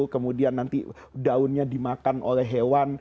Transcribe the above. kemudian nanti daunnya dimakan oleh hewan